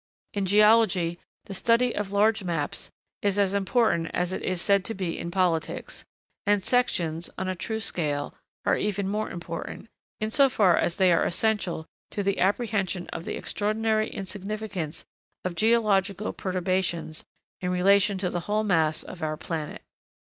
In geology, the study of large maps is as important as it is said to be in politics; and sections, on a true scale, are even more important, in so far as they are essential to the apprehension of the extraordinary insignificance of geological perturbations in relation to the whole mass of our planet.